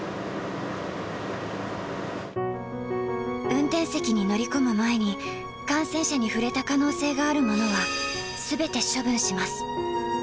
運転席に乗り込む前に、感染者に触れた可能性があるものはすべて処分します。